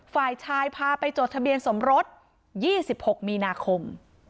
ฝ่ายชายพาไปจดทะเบียนสมรส๒๖มีนาคม